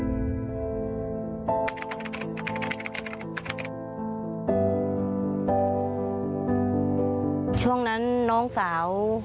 ป้าก็ทำของคุณป้าได้ยังไงสู้ชีวิตขนาดไหนติดตามกัน